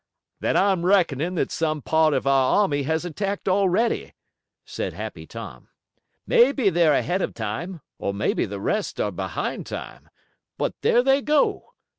"Then I'm reckoning that some part of our army has attacked already," said Happy Tom. "Maybe they're ahead of time, or maybe the rest are behind time. But there they go!